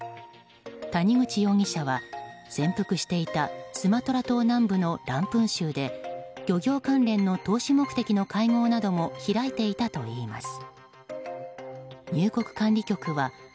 谷口容疑者は潜伏していたスマトラ島南部のランプン州で漁業関連の投資目的の会合なども開いていたといいます。